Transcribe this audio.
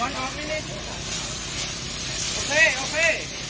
๑นาทีโอเคโอเค